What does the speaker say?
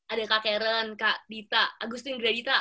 ada kak karen kak dita agustin gradita